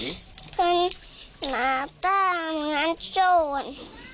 เพลินหน้าตาเหมือนโจร